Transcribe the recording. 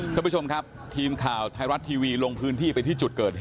ท่านผู้ชมครับทีมข่าวไทยรัฐทีวีลงพื้นที่ไปที่จุดเกิดเหตุ